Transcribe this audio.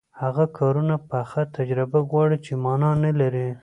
هغه کارونه پخه تجربه غواړي چې ما نلري.